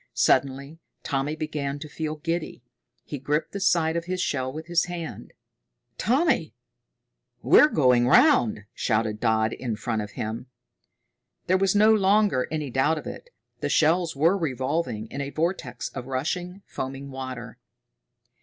Suddenly Tommy began to feel giddy. He gripped the side of his shell with his hand. "Tommy, we're going round!" shouted Dodd in front of him. There was no longer any doubt of it. The shells were revolving in a vortex of rushing, foaming water.